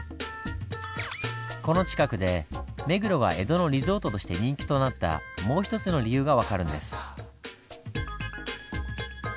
この近くで目黒が江戸のリゾートとして人気となったもうひとつの理由が分かるんです。